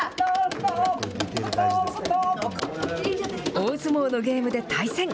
大相撲のゲームで対戦。